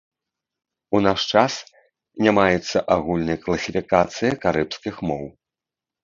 У наш час не маецца агульнай класіфікацыі карыбскіх моў.